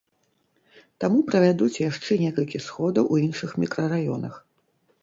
Таму правядуць яшчэ некалькі сходаў у іншых мікрараёнах.